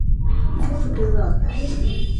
Nataka kula sasa hivi bila kupoteza wakati